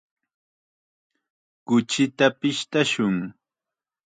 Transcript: Kuchita pishtashun.